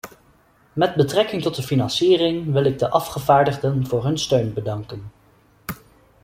Met betrekking tot de financiering wil ik de afgevaardigden voor hun steun bedanken.